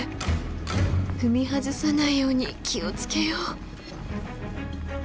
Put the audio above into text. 踏み外さないように気を付けよう。